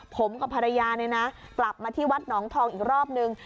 ผมกับภรรยาเนี่ยนะกลับมาที่วัดหนองทองอีกรอบนึง